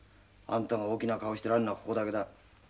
あんたが大きな顔をしてられるのはここだけだ。